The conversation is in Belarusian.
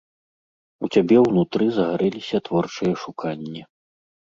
У цябе ўнутры загарэліся творчыя шуканні.